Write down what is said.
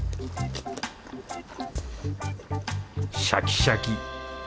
シャキシャキ。